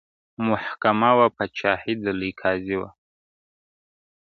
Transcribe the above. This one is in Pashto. • محکمه وه پاچهي د لوی قاضي وه -